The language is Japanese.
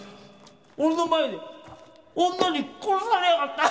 俺の前で女に殺されやがった！